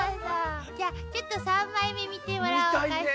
じゃあちょっと３枚目見てもらおうかしら。